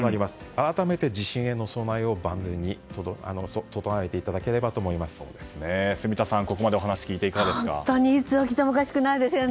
改めて地震への備えを万全に整えていただければと住田さん、ここまで話を聞いて本当に、いつ起きてもおかしくないですよね。